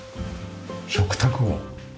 食卓を。